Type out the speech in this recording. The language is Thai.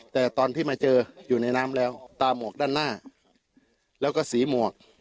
แต่ตอนที่มาเจออยู่ในน้ำแล้วตามวกด้านหน้าแล้วก็สีหมวก